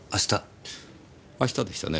明日でしたね？